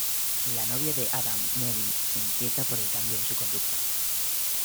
La novia de Adam, Mary, se inquieta por el cambio en su conducta.